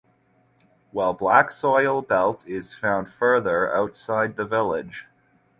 While black soil belt is found further outside the village.